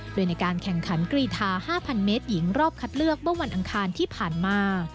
โดยในการแข่งขันกรีธา๕๐๐เมตรหญิงรอบคัดเลือกเมื่อวันอังคารที่ผ่านมา